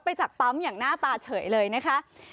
จากปั๊มอย่างหน้าตาเฉยเลยนะคะ